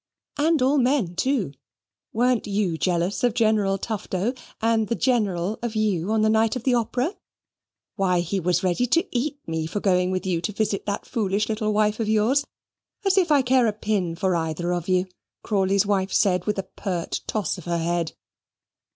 "And all men too. Weren't you jealous of General Tufto, and the General of you, on the night of the Opera? Why, he was ready to eat me for going with you to visit that foolish little wife of yours; as if I care a pin for either of you," Crawley's wife said, with a pert toss of her head.